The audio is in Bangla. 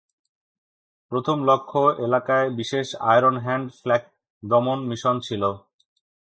প্রথম লক্ষ্য এলাকায় বিশেষ "আয়রন হ্যান্ড" ফ্ল্যাক দমন মিশন ছিল।